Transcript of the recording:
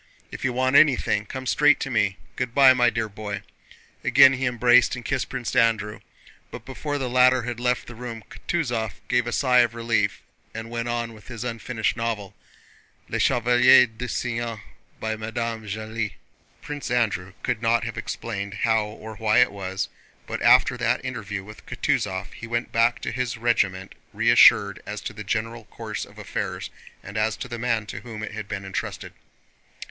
If you want anything come straight to me. Good by, my dear boy." Again he embraced and kissed Prince Andrew, but before the latter had left the room Kutúzov gave a sigh of relief and went on with his unfinished novel, Les Chevaliers du Cygne by Madame de Genlis. Prince Andrew could not have explained how or why it was, but after that interview with Kutúzov he went back to his regiment reassured as to the general course of affairs and as to the man to whom it had been entrusted.